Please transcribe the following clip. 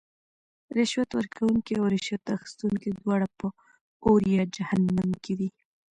رشوت ورکوونکې او رشوت اخیستونکې دواړه به اور یا جهنم کې وی .